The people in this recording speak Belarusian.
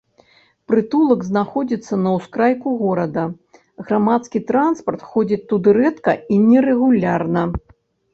Прытулак знаходзіцца на ўскрайку горада, грамадскі транспарт ходзіць туды рэдка і нерэгулярна.